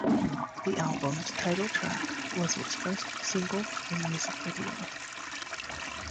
The album's title track was its first single and music video.